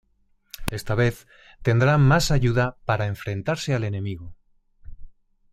Esta vez tendrá más ayuda para enfrentarse al enemigo.